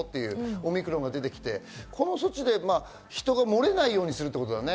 オミクロンが出てきてこの措置で人が漏れないようにすることだね。